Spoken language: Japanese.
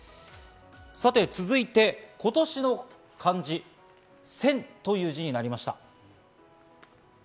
続いて今年の漢字、「戦」という字になりました。